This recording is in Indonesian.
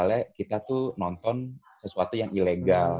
ya sedih aja kalau misalnya kita tuh nonton sesuatu yang ilegal